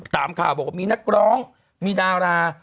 ตามข่าวบอกว่ามีนักร้องมีดารา